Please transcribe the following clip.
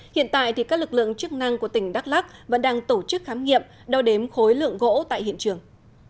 hiện tại các lực lượng chức năng của tỉnh đắk lắc vẫn đang tổ chức khám nghiệm đo đếm khối lượng gỗ tại hiện trường